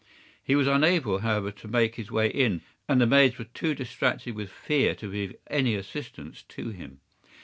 He was unable, however, to make his way in, and the maids were too distracted with fear to be of any assistance to him.